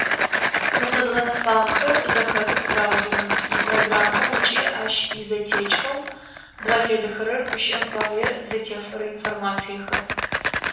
Мы къэдгъэнэфагъэхэр зэхэтых браузерым ипрограммэу ыкӏи ащ изэтекӏхэу бгъэфедэхэрэр, гущыӏэм пае, зэтефэрэ информациехэр.